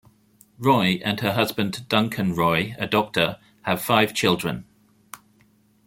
Roy and her husband Duncan Roy, a doctor, have five children.